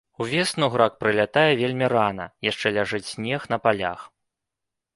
Увесну грак прылятае вельмі рана, яшчэ ляжыць снег на палях.